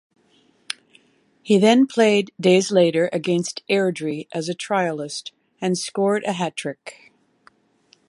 He then played days later against Airdrie as a trialist, and scored a hat-trick.